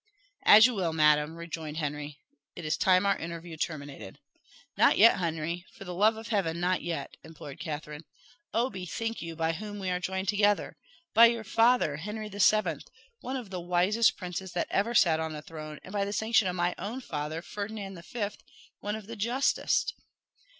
"As you will, madam," rejoined Henry. "It is time our interview terminated." "Not yet, Henry for the love of Heaven, not yet!" implored Catherine. "Oh, bethink you by whom we were joined together! by your father, Henry the Seventh one of the wisest princes that ever sat on a throne; and by the sanction of my own father, Ferdinand the Fifth, one of the justest.